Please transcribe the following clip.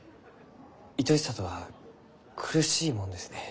いとしさとは苦しいもんですね。